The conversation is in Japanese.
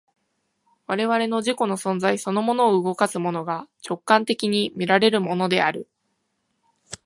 我々の自己の存在そのものを動かすものが、直観的に見られるものである。